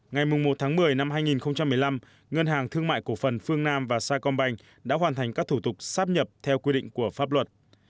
ngày một tháng một mươi năm hai nghìn một mươi năm ngân hàng thương mại cổ phần phương nam và saicombank đã hoàn thành các thủ tục sáp nhập theo quy định của pháp luật